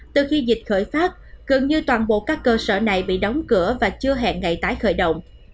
từ khi dịch khởi phát gần như toàn bộ các cơ sở này bị đóng cửa và chưa hẹn ngày tái khởi động